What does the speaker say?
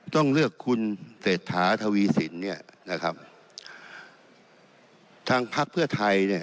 ต้องเลือกคุณเศรษฐาทวีสินเนี่ยนะครับทางพักเพื่อไทยเนี่ย